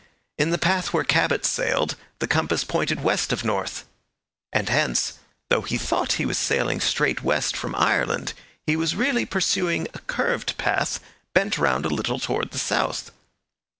In the path where Cabot sailed, the compass pointed west of north; and hence, though he thought he was sailing straight west from Ireland, he was really pursuing a curved path bent round a little towards the south.